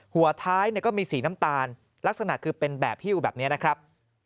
หัวท้ายก็มีสีน้ำตาลลักษณะคือเป็นแบบฮิ้วแบบนี้นะครับ